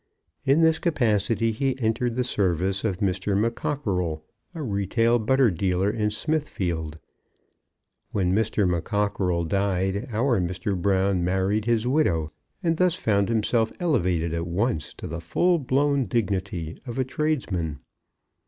In this capacity he entered the service of Mr. McCockerell, a retail butter dealer in Smithfield. When Mr. McCockerell died our Mr. Brown married his widow, and thus found himself elevated at once to the full blown dignity of a tradesman.